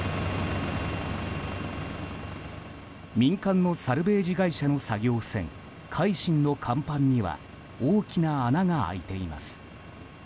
民間のサルベージ会社の作業船「海進」の甲板には大きな穴が開いています。